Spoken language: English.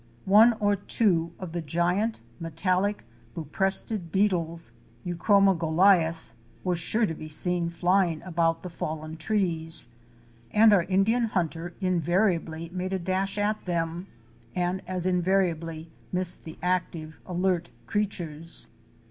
One or two of the giant metallic Buprestid beetles (Huchroma goliath) were sure to be seen flying about the fallen trees, and our Indian hunter invariably made a dash at them, and as invariably missed the active, alert creatures.